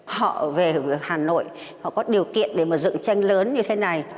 họ về hà nội họ có điều kiện để mà dựng tranh lớn như thế này